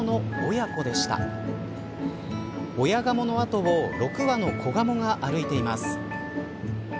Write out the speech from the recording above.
親ガモの後を６羽の子ガモが歩いています。